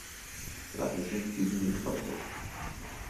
Lassen Sie uns diesen Weg fortsetzen!